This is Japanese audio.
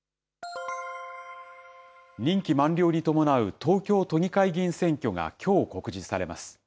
任期満了に伴う東京都議会議員選挙がきょう告示されます。